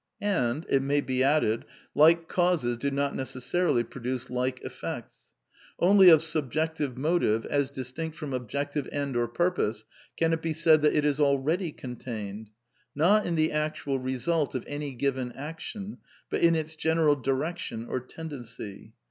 And, it may be added, like causes do not necessarily produce like effects. Only of subjective motive, as distinct from objective end or purpose, can it be said that it is already contained, not in the actual result of any given action, but in its general direction or tend ency.